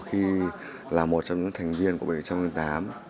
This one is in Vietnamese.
khi là một trong những thành viên của bệnh viện trung ương quân đội một trăm linh tám